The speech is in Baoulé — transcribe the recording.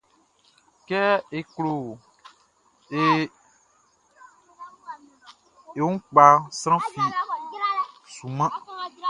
Kɛ e klo e wun kpaʼn, sran fi sunman.